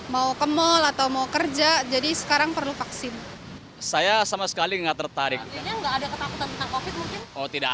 mau kemol atau mau kerja jadi sekarang perlu vaksin saya sama sekali nggak tertarik tidak